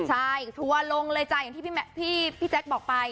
ใช่ทัวร์ลงเลยจ่ายังที่พี่แม่พี่พี่แจ๊กบอกไป